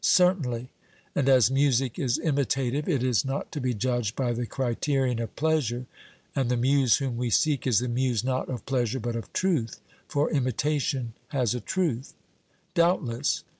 'Certainly.' And as music is imitative, it is not to be judged by the criterion of pleasure, and the Muse whom we seek is the muse not of pleasure but of truth, for imitation has a truth. 'Doubtless.'